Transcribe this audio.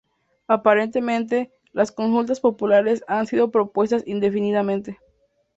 Aparentemente, las consultas populares han sido pospuestas indefinidamente.